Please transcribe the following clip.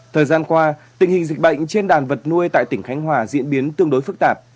thời gian qua tình hình dịch bệnh trên đàn vật nuôi tại tỉnh khánh hòa diễn biến tương đối phức tạp